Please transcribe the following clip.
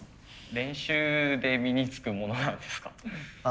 練習で身につくものなんですか？